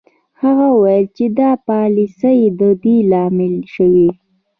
هغه وویل چې دا پالیسۍ د دې لامل شوې